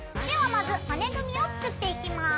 まず骨組みを作っていきます。